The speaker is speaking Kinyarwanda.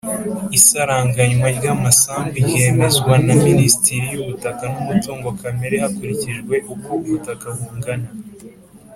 Isaranganywa ry amasambu ryemezwa na minisiteri y’ ubutaka n ‘umutungo kamere hakurikijwe uko ubutaka bungana